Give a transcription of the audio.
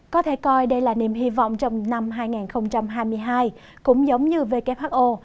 có thể coi đây là niềm hy vọng trong năm hai nghìn hai mươi hai cũng giống như who